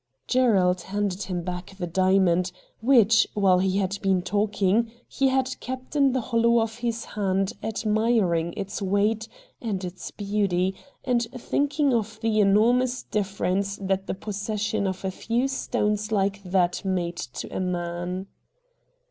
Gerald handed him back the diamond, which, while he had been talking, he had kept in the hollow of his hand, admiring its weight and its beauty, and thinking of the enormous difference that the possession of a few stones hke that made to a man.